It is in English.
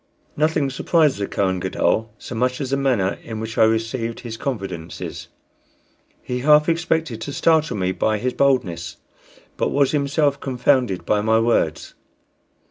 Nothing surprised the Kohen Gadol so much as the manner in which I received his confidences. He half expected to startle me by his boldness, but was himself confounded by my words.